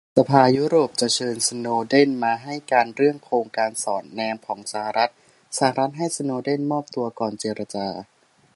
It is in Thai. สภายุโรปจะเชิญสโนว์เดนมาให้การเรื่องโครงการสอดแนมของสหรัฐ - สหรัฐให้สโนว์เดนมอบตัวก่อนเจรจา